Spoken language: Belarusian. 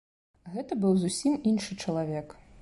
Гэта быў зусім іншы чалавек.